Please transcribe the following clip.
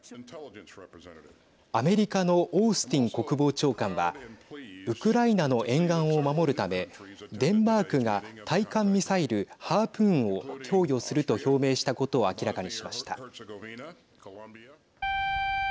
アメリカのオースティン国防長官はウクライナの沿岸を守るためデンマークが対艦ミサイル、ハープーンを供与すると表明したことを明らかにしました。